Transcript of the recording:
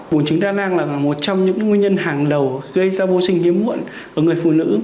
bùn trứng đa năng là một trong những nguyên nhân hàng đầu gây ra vô sinh hiếm muộn của người phụ nữ